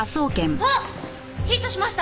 あっヒットしました！